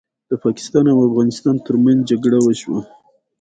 ازادي راډیو د حیوان ساتنه پر وړاندې یوه مباحثه چمتو کړې.